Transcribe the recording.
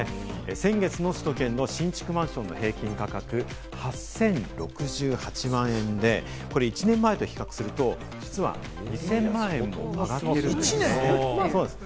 先月の首都圏の新築マンションの平均価格８０６８万円で、これ１年前と比較すると、実は２０００万円も上がっているんです。